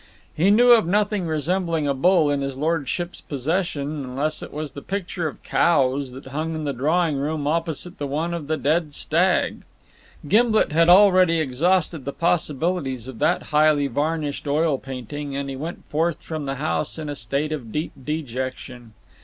He knew of nothing resembling a bull in his lordship's possession, unless it was the picture of cows that hung in the drawing room opposite the one of the dead stag. Gimblet had already exhausted the possibilities of that highly varnished oil painting, and he went forth from the house in a state of deep dejection.